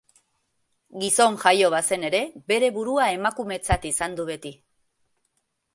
Gizon jaio bazen ere, bere burua emakumetzat izan du beti.